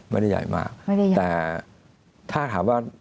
ไม่ได้ใหญ่มากแต่ถ้าถามว่า